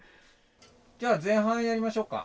じゃあ前半やりましょうか。